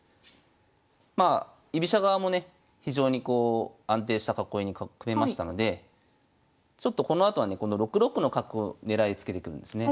まあ居飛車側もね非常にこう安定した囲いに組めましたのでちょっとこのあとはねこの６六の角狙いつけていくんですね。